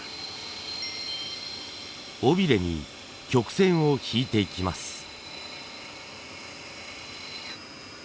尾ビレに曲線を引いていきます。